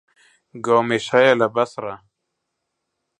گامێش هەیە لە بەسڕە.